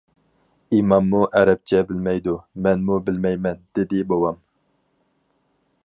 -ئىماممۇ ئەرەبچە بىلمەيدۇ، مەنمۇ بىلمەيمەن-دېدى بوۋام.